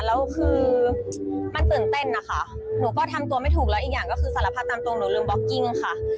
แล้วคือมันตื่นเต้นนะคะหนูก็ทำตัวไม่ถูกแล้วอีกอย่างก็คือสารภาพตามตัวหนูลืมบล็อกกิ้งค่ะ